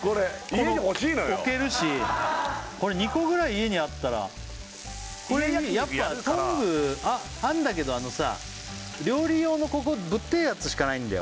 これ２個ぐらい家にあったらこれいいやっぱトングあるんだけどあのさ料理用のここぶってえやつしかないんだよ